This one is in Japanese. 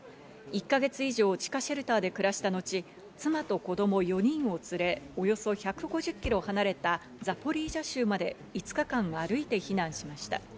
１か月以上、地下シェルターで暮らした後、妻と子供４人を連れ、およそ１５０キロ離れたザポリージャ州まで５日間歩いて避難しました。